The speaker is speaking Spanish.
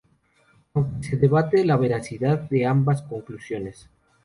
Aún se debate la veracidad de ambas conclusiones.